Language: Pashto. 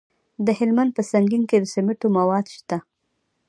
د هلمند په سنګین کې د سمنټو مواد شته.